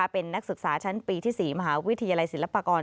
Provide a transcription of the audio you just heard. เป็นนักศึกษาชั้นปีที่๔มหาวิทยาลัยศิลปากร